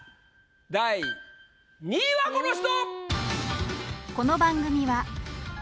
第２位はこの人！